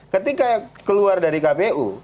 ketika keluar dari kpu